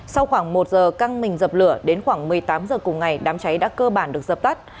sau khoảng một giờ căng mình dập lửa đến khoảng một mươi tám h cùng ngày đám cháy đã cơ bản được dập tắt